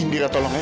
indira tolong ya